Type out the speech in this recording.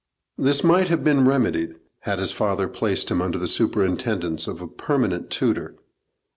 This might have been remedied had his father placed him under the superintendence of a permanent tutor.